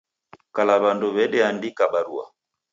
Kala w'andu w'edeandika barua